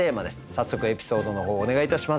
早速エピソードの方お願いいたします。